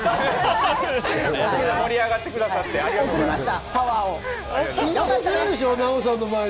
盛り上がってくださってありがとうございました。